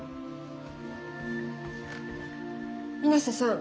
水無瀬さん